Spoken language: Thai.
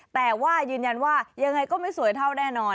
แต่ว่ายืนยันว่ายังไงก็ไม่สวยเท่าแน่นอน